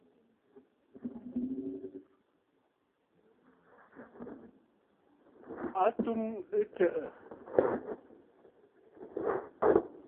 A tum ɨtsə̀ʼə̀.